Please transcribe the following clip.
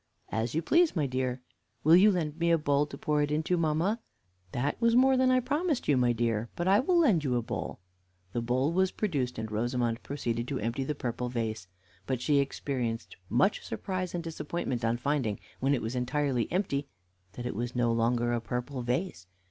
"As you please, my dear." "Will you lend me a bowl to pour it into, mamma?" "That was more than I promised you, my dear; but I will lend you a bowl." The bowl was produced, and Rosamond proceeded to empty the purple vase. But she experienced much surprise and disappointment, on finding, when it was entirely empty, that it was no longer a purple vase.